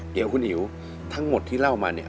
อันนี้ค่ะคุณอิ๋วทั้งหมดที่เล่ามาเนี่ย